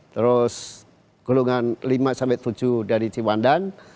terus gulungan lima tujuh dari cipuandan